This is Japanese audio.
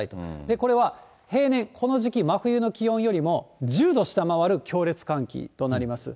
これは平年、この時期、真冬の気温よりも１０度下回る強烈寒気となります。